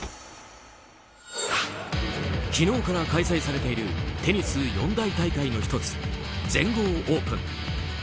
昨日から開催されているテニス四大大会の一つ全豪オープン。